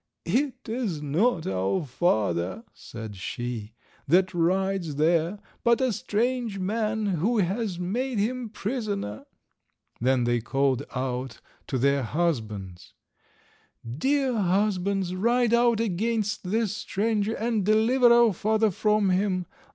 "It is not our father," said she, "that rides there, but a strange man who has made him prisoner." Then they called out to their husbands— "Dear husbands, ride out against this stranger, and deliver our father from him.